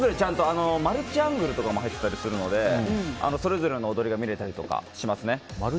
マルチアングルとかも入ってたりするのでそれぞれの踊りが見れたりしますね。